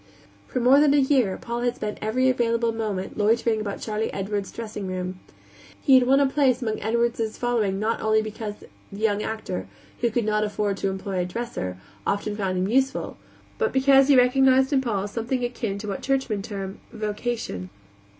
For more than a year Paul had spent every available moment loitering about Charley Edwards's dressing room. He had won a place among Edwards's following not only because the young actor, who could not afford to employ a dresser, often found him useful, but because he recognized in Paul something akin to what churchmen term "vocation."